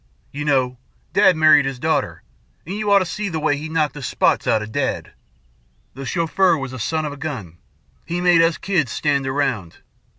You know, Dad married his daughter, an' you ought to see the way he knocked the spots outa Dad. The Chauffeur was a son of a gun. He made us kids stand around.